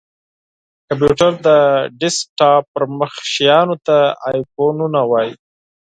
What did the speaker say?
کمپېوټر:د ډیسکټاپ پر مخ شېانو ته آیکنونه وایې!